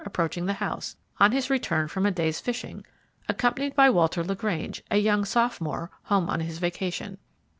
approaching the house, on his return from a day's fishing, accompanied by Walter LaGrange, a young sophomore, home on his vacation.